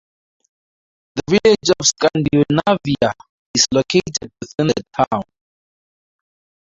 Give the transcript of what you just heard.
The Village of Scandinavia is located within the town.